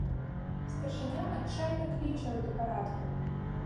Старшыня адчайна кліча да парадку.